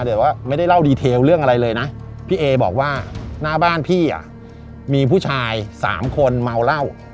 แต่ว่าไม่ได้เล่าดีเทลเรื่องอะไรเลยนะพี่เอบอกว่าหน้าบ้านพี่อ่ะมีผู้ชาย๓คนเมาเหล้า